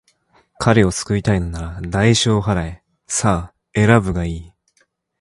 彼を救いたいのなら、代償を払え。さあ、選ぶがいい。